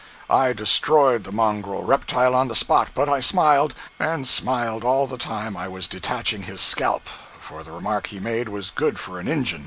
I destroyed the mongrel reptile on the spot, but I smiled and smiled all the time I was detaching his scalp, for the remark he made was good for an "Injun."